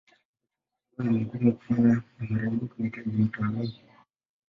Uchunguzi huu ni mgumu kufanywa na mara nyingi huhitaji mtaalamu.